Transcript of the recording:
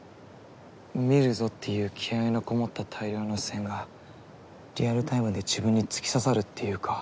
「見るぞ」っていう気合いのこもった大量の視線がリアルタイムで自分に突き刺さるっていうか。